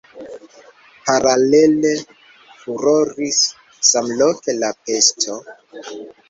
Paralele furoris samloke la pesto.